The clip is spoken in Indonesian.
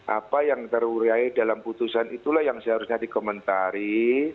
apa yang terurai dalam putusan itulah yang seharusnya dikomentari